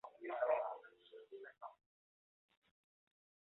绒额䴓为䴓科䴓属的鸟类。